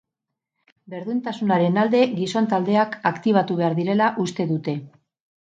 Berdintasunaren alde gizon taldeak aktibatu behar direla uste dute.